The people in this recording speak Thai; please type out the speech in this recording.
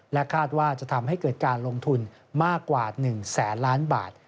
คาดว่าจะทำให้เกิดการลงทุนมากกว่า๑แสนล้านบาท